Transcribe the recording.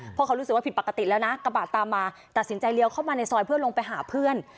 เพราะเขารู้สึกว่าผิดปกติแล้วนะกระบะตามมาตัดสินใจเลี้ยวเข้ามาในซอยเพื่อลงไปหาเพื่อน